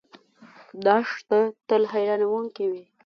دښته تل حیرانونکې وي.